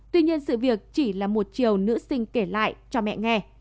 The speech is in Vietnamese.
tuy nhiên sự việc chỉ là một chiều nữ sinh kể lại cho mẹ nghe